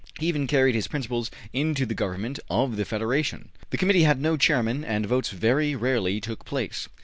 He even carried his principles into the government of the Federation; the Committee had no chairman and votes very rarely took place.